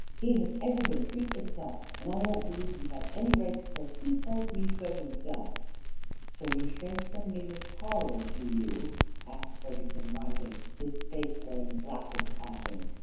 He has ever been truth itself, and I won't believe you have any rights till he tells me so himself." "So you shrink from me with horror, do you?" asked Ferguson, rising, his face growing black with passion.